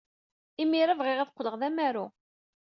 Imir-a, bɣiɣ ad qqleɣ d amaru.